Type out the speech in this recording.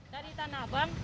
dari tanah abang